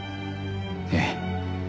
ええ。